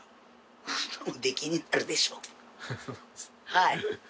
はい。